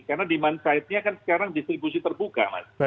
karena demand side nya kan sekarang distribusi terbuka